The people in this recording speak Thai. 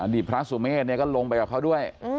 พระสุเมฆก็ลงไปกับเขาด้วย